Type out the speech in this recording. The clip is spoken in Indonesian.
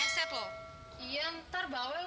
ketumpa ke bawah gini sih